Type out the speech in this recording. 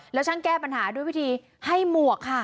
แล้วช่างแก้ปัญหาด้วยวิธีให้หมวกค่ะ